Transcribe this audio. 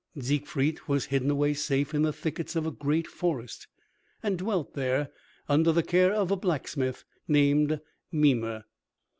Siegfried was hidden away safe in the thickets of a great forest, and dwelt there under the care of a blacksmith, named Mimer.